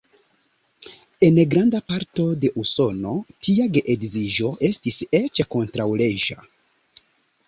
En granda parto de Usono tia geedziĝo estis eĉ kontraŭleĝa.